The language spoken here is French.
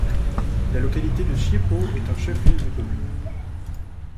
La localité de Chiépo est un chef-lieu de commune.